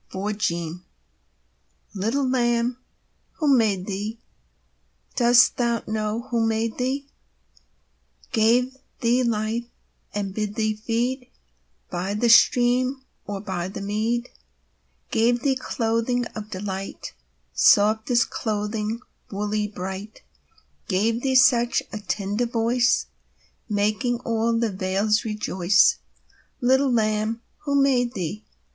THE LAMB Little Lamb, who made thee Dost thou know who made thee, Gave thee life, and bid thee feed By the stream and o'er the mead; Gave thee clothing of delight, Softest clothing, woolly, bright; Gave thee such a tender voice, Making all the vales rejoice? Little Lamb, who made thee?